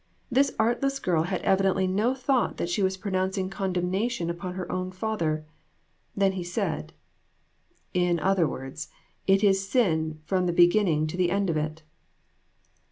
This artless girl had evidently no thought that she was pronouncing condemnation upon her own father. Then he said " In other words, it is sin from the beginning to the end of it."